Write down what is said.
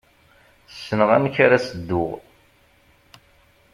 Ssneɣ amek ara s-dduɣ.